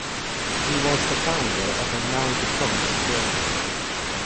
He was the founder of a now-defunct journal.